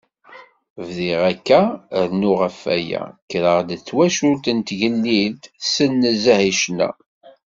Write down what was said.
Bdiɣ akka, rnu ɣef waya, kkreɣ-d deg twacult d tigellilt tsel nezzeh i ccna.